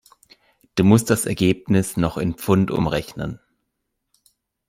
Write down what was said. Du musst das Ergebnis noch in Pfund umrechnen.